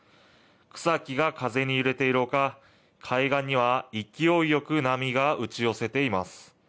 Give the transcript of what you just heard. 草木が風に揺れているほか、海岸には勢いよく波が打ち寄せています。